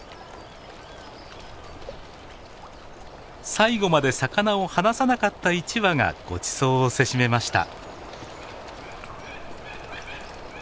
最後まで魚を放さなかった一羽がごちそうをせしめました。